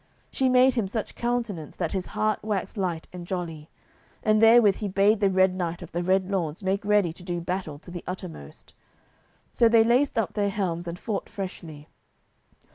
She made him such countenance that his heart waxed light and jolly; and therewith he bade the Red Knight of the Red Lawns make ready to do battle to the uttermost. So they laced up their helms and fought freshly.